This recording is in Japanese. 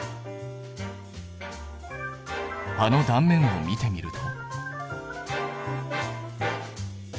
葉の断面を見てみると。